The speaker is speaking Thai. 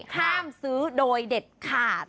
ห้ามซื้อโดยเด็ดขาด